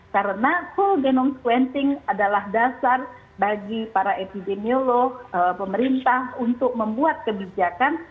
karena full genome sequencing adalah dasar bagi para epidemiolog pemerintah untuk membuat kebijakan